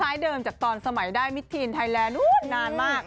คล้ายเดิมจากตอนสมัยได้มิทีนไทยแลนด์นานมาก